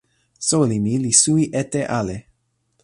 soweli mi li suwi ete ale.